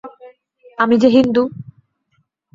আমি যে হিন্দু।